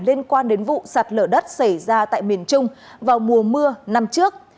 liên quan đến vụ sạt lở đất xảy ra tại miền trung vào mùa mưa năm trước